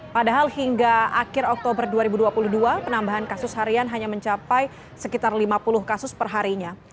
padahal hingga akhir oktober dua ribu dua puluh dua penambahan kasus harian hanya mencapai sekitar lima puluh kasus perharinya